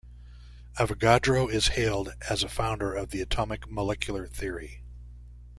Avogadro is hailed as a founder of the atomic-molecular theory.